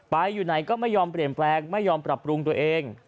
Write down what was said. อยู่ไหนก็ไม่ยอมเปลี่ยนแปลงไม่ยอมปรับปรุงตัวเอง